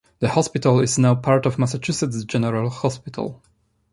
The hospital is now part of Massachusetts General Hospital.